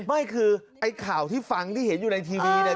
ไม่คือไอ้ข่าวที่ฟังที่เห็นอยู่ในทีวีเนี่ย